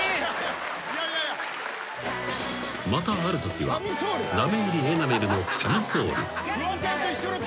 ［またあるときはラメ入りエナメルのキャミソール］